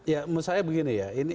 ya menurut saya begini ya